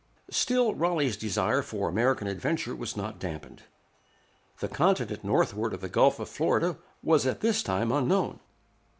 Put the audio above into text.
Still Raleigh's desire for American adventure was not damped. The continent northward of the Gulf of Florida was at this time unknown.